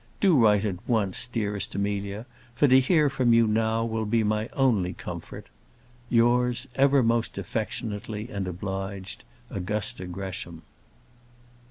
Do write at once, dearest Amelia, for to hear from you now will be my only comfort. Yours, ever most affectionately and obliged, AUGUSTA GRESHAM.